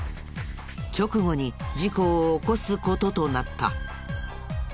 直後に事故を起こす事となった。